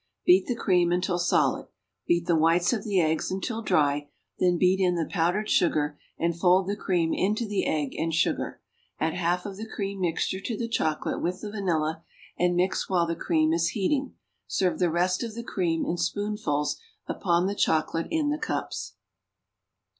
Beat the cream until solid. Beat the whites of the eggs until dry, then beat in the powdered sugar and fold the cream into the egg and sugar. Add half of the cream mixture to the chocolate with the vanilla, and mix while the cream is heating. Serve the rest of the cream in spoonfuls upon the chocolate in the cups.